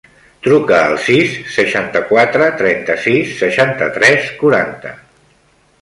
Truca al sis, seixanta-quatre, trenta-sis, seixanta-tres, quaranta.